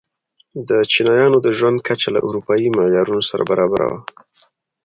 د چینایانو د ژوند کچه له اروپايي معیارونو سره برابره وه.